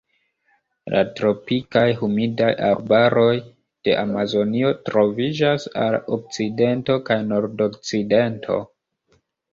La tropikaj humidaj arbaroj de Amazonio troviĝas al okcidento kaj nordokcidento.